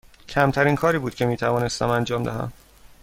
کمترین کاری بود که می توانستم انجام دهم.